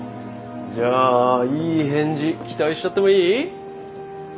じゃあいい返事期待しちゃってもいい？